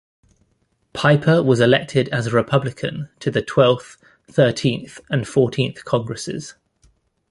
Piper was elected as a Republican to the Twelfth, Thirteenth, and Fourteenth Congresses.